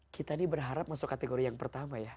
kita ini berharap masuk kategori yang pertama ya